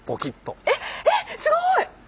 えっえっすごい！